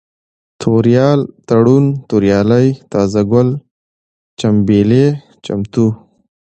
توريال ، تړون ، توريالی ، تازه گل ، چمبېلى ، چمتو